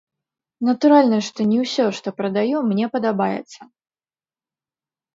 Натуральна, што не ўсё, што прадаю, мне падабаецца.